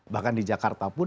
bahkan di jakarta pun